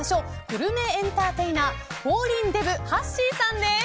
グルメエンターテイナーフォーリンデブはっしーさんです。